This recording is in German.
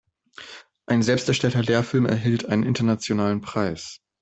Ein selbst erstellter Lehrfilm erhielt einen internationalen Preis.